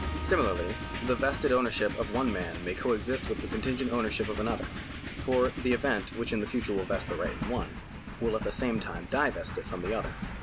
Similarly the vested ownership of one man may co exist with the contingent ownership of another. For the event which in the future will vest the right in the one, will at the same time divest it from the other.